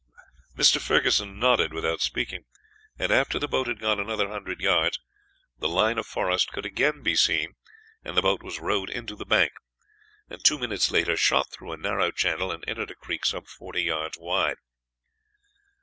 Mr. Ferguson nodded without speaking; and after the boat had gone another hundred yards, the line of forest could again be seen, and the boat was rowed into the bank, and two minutes later shot through a narrow channel and entered a creek some forty yards wide.